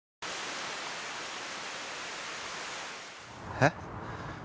えっ？